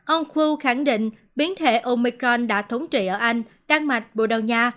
ông fu khẳng định biến thể omicron đã thống trị ở anh đan mạch bồ đào nha